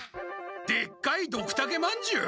でっかいドクタケまんじゅう？